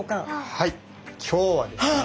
はい今日はですね